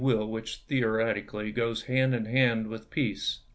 will which theoretically goes hand in hand with peace.